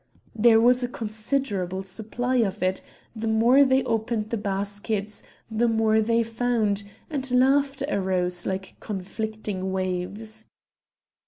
There was a considerable supply of it; the more they opened the baskets the more they found, and laughter arose like conflicting waves.